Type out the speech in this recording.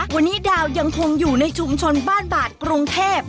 วันนี้ดาวยังคงอยู่ในชุมชนบ้านบาดกรุงเทพ